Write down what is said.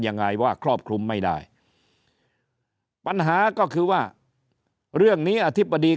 ยังไงว่าครอบคลุมไม่ได้ปัญหาก็คือว่าเรื่องนี้อธิบดี